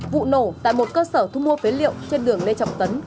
vụ nổ tại một cơ sở thu mua phế liệu trên đường lê trọng tấn